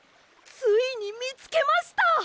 ついにみつけました。